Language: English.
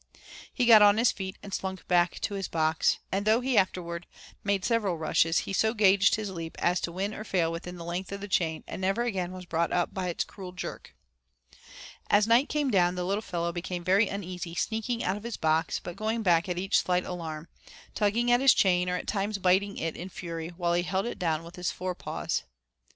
He got on his feet and slunk back to his box, and though he afterward made several rushes he so gauged his leap as to win or fail within the length of the chain and never again was brought up by its cruel jerk. As night came down the little fellow became very uneasy, sneaking out of his box, but going back at each slight alarm, tugging at his chain, or at times biting it in fury while he held it down with his fore paws.